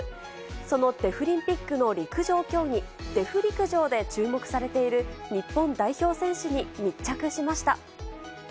そのデフリンピックの陸上競技、デフ陸上で注目されている日本代表選手に密着しました。